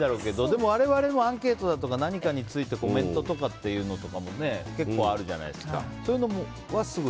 でも我々も、アンケートとか何かについてのコメントとかっていうのとかも結構あるじゃないですか。